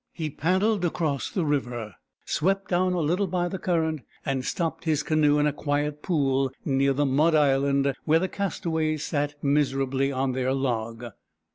He paddled across the river, swept down a little by the current, and stopped his canoe in a quiet pool near the mud island, where the castaways sat miserably on their log.